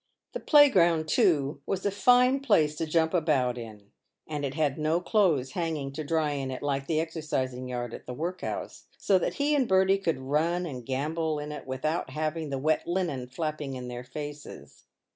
The playground, too, was a fine place to jump about in, and it had no clothes hanging to dry in it, like the exercising yard at the workhouse, so that he and Bertie could run and gambol in it without having the wet linen flapping in their faces.